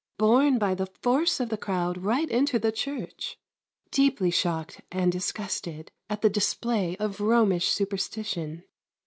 Borne by the force of the crowd right into the church. Deeply shocked and disgusted at the display of Romish superstition.